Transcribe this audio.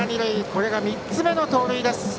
これが３つ目の盗塁です。